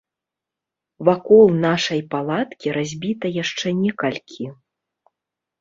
Вакол нашай палаткі разбіта яшчэ некалькі.